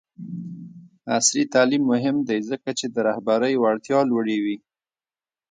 عصري تعلیم مهم دی ځکه چې د رهبرۍ وړتیا لوړوي.